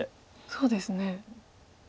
そうですね。